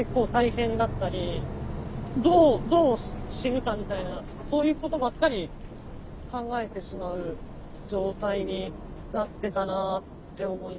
どう死ぬかみたいなそういうことばっかり考えてしまう状態になってたなって思います。